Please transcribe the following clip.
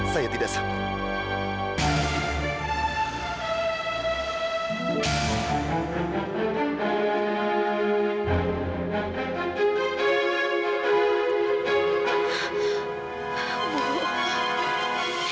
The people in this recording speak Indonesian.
saya tidak sanggup